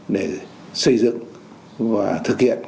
để xây dựng và thực hiện